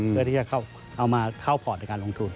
เพื่อที่จะเอามาเข้าพอร์ตในการลงทุน